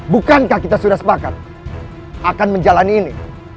bukankah kita sudah sepakat akan menjalani ini